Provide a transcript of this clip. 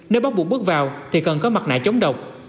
nếu bắt buộc bước vào thì cần có mặt nạ chống độc